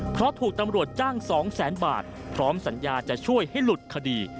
เพราะถูกตำรวจจ้างสองแสนบาทพร้อมสัญญาจะช่วยให้หลุดคดี